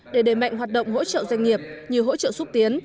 để đề mạnh hoạt động hỗ trợ doanh nghiệp như hỗ trợ xúc tiến